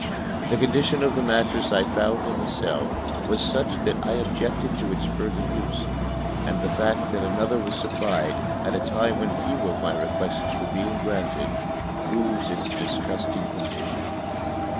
The condition of the mattress I found in the cell was such that I objected to its further use, and the fact that another was supplied, at a time when few of my requests were being granted, proves its disgusting condition.